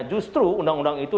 justru undang undang itu